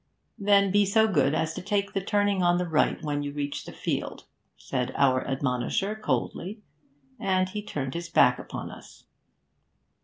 'Then be so good as to take the turning to the right when you reach the field,' said our admonisher coldly. And he turned his back upon us.